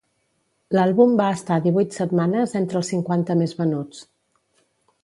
L'àlbum va estar divuit setmanes entre els cinquanta més venuts.